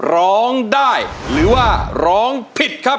ร้องได้หรือว่าร้องผิดครับ